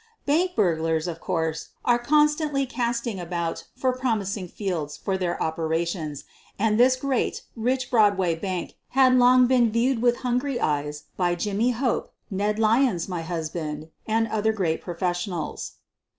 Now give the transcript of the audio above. Bank burglars, of course, are constantly casting about for promising fields for their operations, and this great, rich Broadway bank had long been viewed with hungry eyes by Jimmy Hope, Ned Lyons, my husband, and other great professionals.